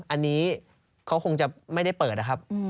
อันนี้เขาคงจะไม่ได้เปิดนะครับ